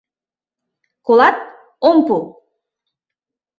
Колат: ом пу!